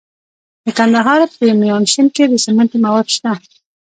د کندهار په میانشین کې د سمنټو مواد شته.